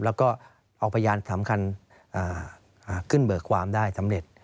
แล้วก็เอาพยานสำคัญขึ้นเบิกความได้สำเร็จ